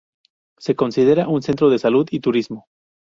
Se considera un centro de salud y turismo.